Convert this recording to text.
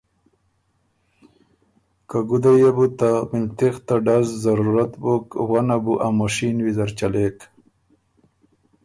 که ګُده يې بُو ته مِلتغ ته ډز ضرورت بُک وۀ نه بُو ا مُشین ویزر چلېک